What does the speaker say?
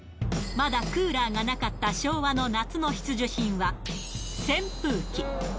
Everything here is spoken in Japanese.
まだクーラーがなかった昭和の夏の必需品は、扇風機。